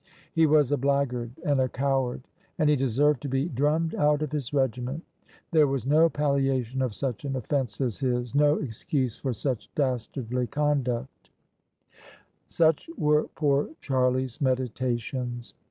He was a blackguard, and a coward, and he deserved to be drummed out of his regiment: there was no palliation of such an offence as his — ^no excuse for such dastardly conduct OF ISABEL CARNABY Such were poor Charlie's meditations.